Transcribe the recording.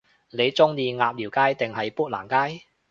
你鍾意鴨寮街定係砵蘭街？